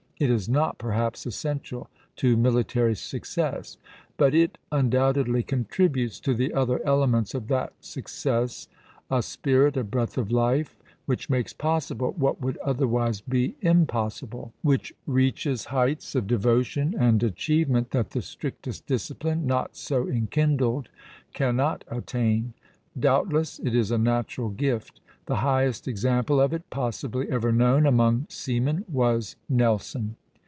It is not perhaps essential to military success, but it undoubtedly contributes to the other elements of that success a spirit, a breath of life, which makes possible what would otherwise be impossible; which reaches heights of devotion and achievement that the strictest discipline, not so enkindled, cannot attain. Doubtless it is a natural gift. The highest example of it possibly ever known among seamen was Nelson.